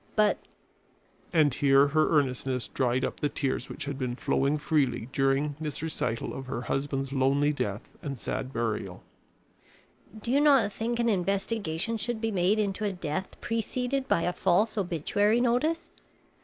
But " and here her earnestness dried up the tears which had been flowing freely during this recital of her husband's lonely death and sad burial, "do you not think an investigation should be made into a death preceded by a false obituary notice?